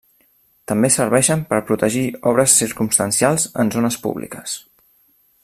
També serveixen per protegir obres circumstancials en zones públiques.